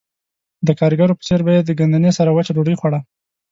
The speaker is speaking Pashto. د ګاریګرو په څېر به یې د ګندنې سره وچه ډوډۍ خوړه